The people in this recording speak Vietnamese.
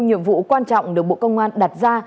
nhiệm vụ quan trọng được bộ công an đặt ra